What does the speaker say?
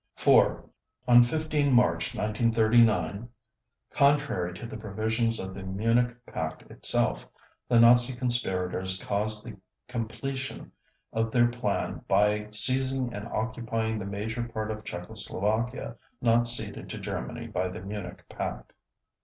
4. On 15 March 1939, contrary to the provisions of the Munich Pact itself, the Nazi conspirators caused the completion of their plan by seizing and occupying the major part of Czechoslovakia not ceded to Germany by the Munich Pact.